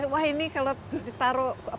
wah ini kalau ditaruh